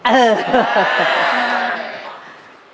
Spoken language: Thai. เออ